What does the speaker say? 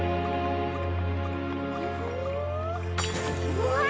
うわ！